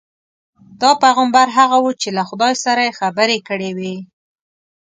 دا پیغمبر هغه وو چې له خدای سره یې خبرې کړې وې.